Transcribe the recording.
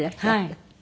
はい。